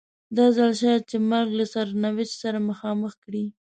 دا ځل شاید چې مرګ له سرنوشت سره مخامخ کړي.